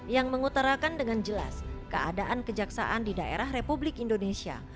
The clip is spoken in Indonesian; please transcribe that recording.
yang mengutarakan dengan jelas keadaan kejaksaan di daerah republik indonesia